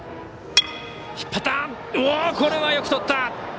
これはよくとった！